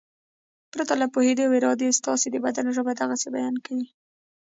پرته له پوهېدو او ارادې ستاسې د بدن ژبه د غسې بیان کوي.